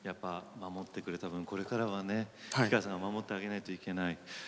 頑張ってくれた分これからは氷川さんが守ってあげないといけない。